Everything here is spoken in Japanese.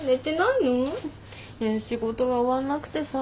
いや仕事が終わんなくてさ。